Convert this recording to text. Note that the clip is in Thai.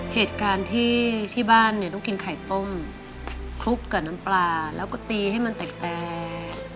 เหตุการณ์ที่ที่บ้านเนี่ยต้องกินไข่ต้มคลุกกับน้ำปลาแล้วก็ตีให้มันแปลก